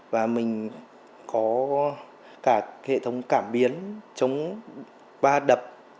và mình có cả hệ thống cảm biến chống ba đập